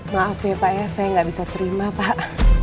maaf ya pak ya saya nggak bisa terima pak